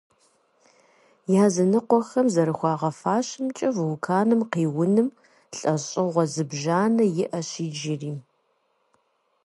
Языныкъуэхэм зэрыхуагъэфащэмкӏэ, вулканыр къиуным лӏэщӏыгъуэ зыбжанэ иӏэщ иджыри.